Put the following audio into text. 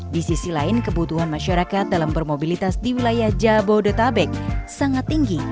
di sisi lain kebutuhan masyarakat dalam bermobilitas di wilayah jabodetabek sangat tinggi